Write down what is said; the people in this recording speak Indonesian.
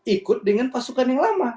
ikut dengan pasukan yang lama